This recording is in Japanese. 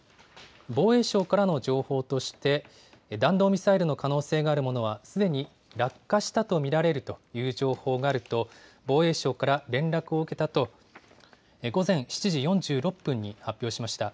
防衛省からの情報として、弾道ミサイルの可能性があるものは、すでに落下したと見られるという情報があると、防衛省から連絡を受けたと、午前７時４６分に発表しました。